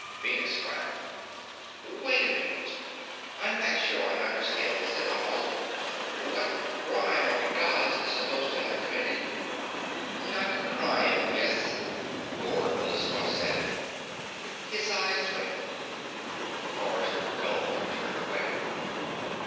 Venus frowned. "Wait a minute. I'm not sure I understand this at all. What crime are the Gods supposed to have committed?" "Not crime, miss," Bor Mellistos said. His eyes twinkled. Forrester gulped and turned away.